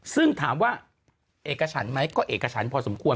ซึ่งถามว่าเอกฉันไหมก็เอกฉันพอสมควร